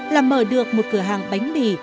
là mở được một cửa hàng bánh mì